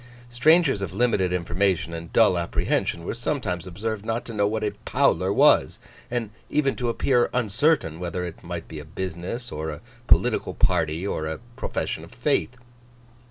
Strangers of limited information and dull apprehension were sometimes observed not to know what a Powler was, and even to appear uncertain whether it might be a business, or a political party, or a profession of faith.